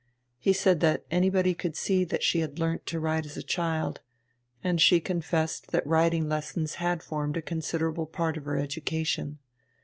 He said that anybody could see that she had learnt to ride as a child, and she confessed that riding lessons had formed a considerable part of her education.